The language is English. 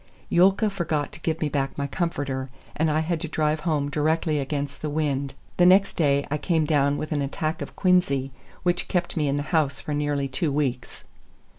Yulka forgot to give me back my comforter, and I had to drive home directly against the wind. The next day I came down with an attack of quinsy, which kept me in the house for nearly two weeks.